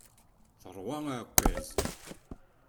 Terwa aɛekkaz.